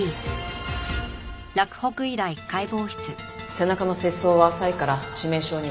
背中の切創は浅いから致命傷にはならない。